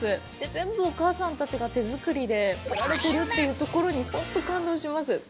全部お母さんたちが手作りで作られてるっていうところに本当に感動します。